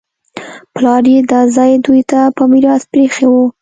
پلار یې دا ځای دوی ته په میراث پرېښی و